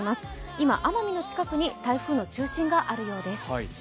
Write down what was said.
今、奄美の近くに台風の中心があるようです。